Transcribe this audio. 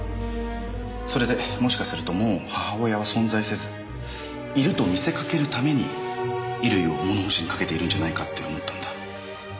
それでもしかするともう母親は存在せずいると見せかけるために衣類を物干しにかけているんじゃないかって思ったんだ。